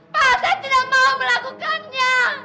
pak saya tidak mau melakukannya